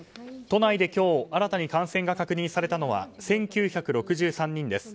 都内で今日、新たに感染が確認されたのは１９６３人です。